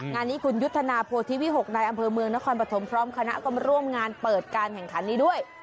งานนี้คุณยุทธนาโพธิวิหกในอำเภอเมืองนครปฐมพร้อมคณะก็มาร่วมงานเปิดการแข่งขันนี้ด้วย